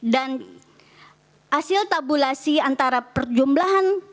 dan hasil tabulasi antara perjumlahan